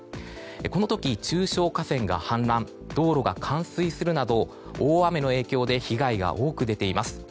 この時、中小河川が氾濫道路が冠水するなど大雨の影響で被害が多く出ています。